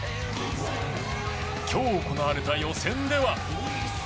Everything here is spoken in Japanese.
今日行われた予選では。